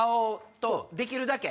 できるだけ！